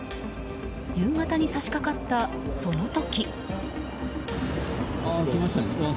夕方に差し掛かった、その時。